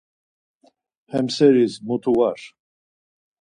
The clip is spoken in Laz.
Hem seris mutu var.